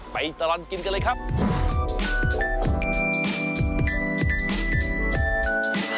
ตลอดกินกันเลยครับ